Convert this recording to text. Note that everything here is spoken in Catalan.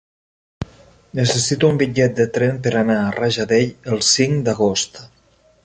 Necessito un bitllet de tren per anar a Rajadell el cinc d'agost.